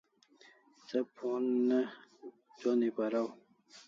Se phon ne joni paraw